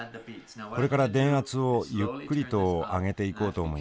これから電圧をゆっくりと上げていこうと思います。